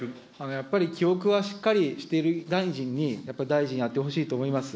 やっぱり記憶はしっかりしている大臣に、やっぱり大臣やってほしいと思います。